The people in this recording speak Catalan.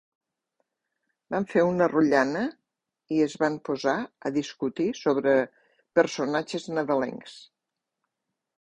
Van fer una rotllana i es van posar a discutir sobre personatges nadalencs.